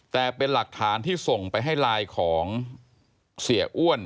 แต่เป็นหลักฐานที่ส่งไปให้ไลน์ของเสียอ้วน